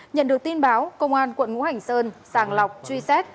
nhận được tin báo công an quận ngũ hành sơn sàng lọc truy xét